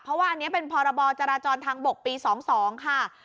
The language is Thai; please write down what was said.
เพราะว่าอันนี้เป็นพรบจราจรทางบกปี๒๒ค่ะ